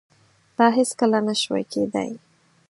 دا هیڅکله نشوای کېدای.